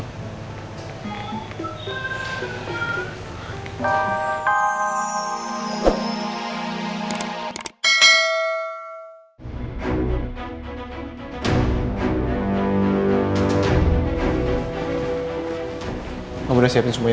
kamu udah siapin semua airnya